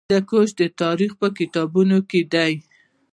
هندوکش د تاریخ په کتابونو کې دی.